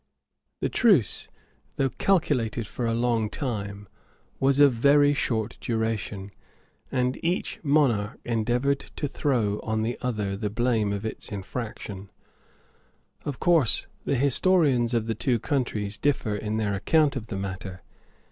The truce, though calculated for a long time, was of very short duration; and each monarch endeavored to throw on the other the blame of its infraction. Of course the historians of the two countries differ in their account of the matter.